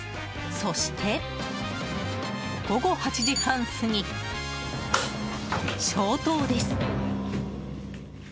そして、午後８時半過ぎ消灯です。